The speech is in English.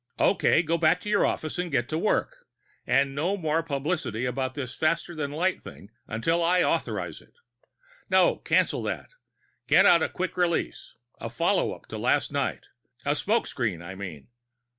"Okay. Go back to your office and get to work. And no more publicity on this faster than light thing until I authorize it. No cancel that. Get out a quick release, a followup on last night. A smoke screen, I mean.